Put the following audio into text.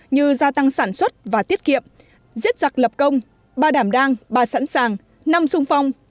như gia tăng sản xuất và tiết kiệm diệt giặc lập công ba đảm đang ba sẵn sàng năm sung phong